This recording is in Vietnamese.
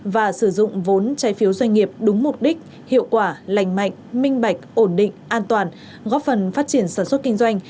và sử dụng vốn trái phiếu doanh nghiệp đúng mục đích hiệu quả lành mạnh minh bạch ổn định an toàn góp phần phát triển sản xuất kinh doanh